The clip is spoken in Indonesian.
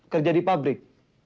kerja di pabrik